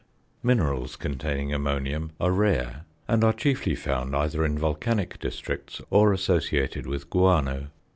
Minerals containing ammonium are rare, and are chiefly found either in volcanic districts or associated with guano.